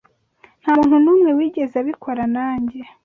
Nta muntu n'umwe wigeze abikora nanjye.